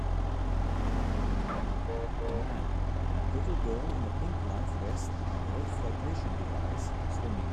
A man and little girl in a pink life vest and red flotation device swimming.